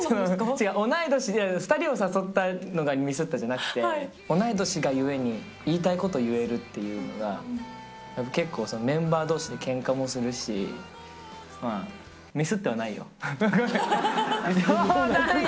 違う、同い年で２人を誘ったのがミスったじゃなくて、同い年がゆえに言いたいこと言えるっていうのが、結構メンバーどうしでけんかもするし、ミスってはないよ。